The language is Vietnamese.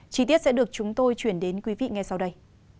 chí tiết sẽ được chúng tôi chuyển đến quý vị nghe sau đây